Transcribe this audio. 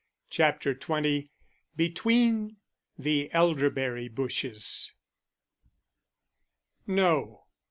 CHAPTER XX BETWEEN THE ELDERBERRY BUSHES "No."